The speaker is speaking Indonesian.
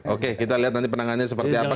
oke kita lihat nanti penanganannya seperti apa